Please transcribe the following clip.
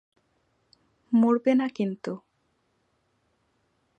মরবে না কিন্তু।